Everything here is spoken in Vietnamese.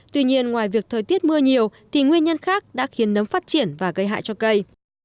tuy nhiên ngoài việc thời tiết mưa nhiều thì nguyên nhân khác đã khiến nấm phát triển và gây hại cho cây